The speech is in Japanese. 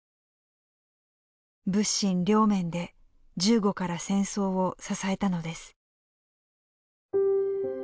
物心両面で銃後から戦争を支えたのです。